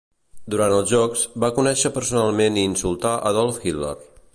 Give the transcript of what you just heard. Durant els jocs, va conèixer personalment i insultar Adolf Hitler.